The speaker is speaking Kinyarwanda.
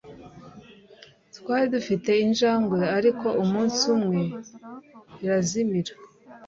Twari dufite injangwe, ariko umunsi umwe irazimira.